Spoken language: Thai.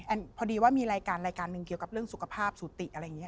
พอดีว่ามีรายการรายการหนึ่งเกี่ยวกับเรื่องสุขภาพสุติอะไรอย่างนี้